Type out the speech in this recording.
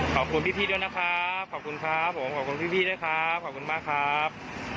ขอบคุณพี่ด้วยนะครับขอบคุณครับผมขอบคุณพี่ด้วยครับขอบคุณมากครับ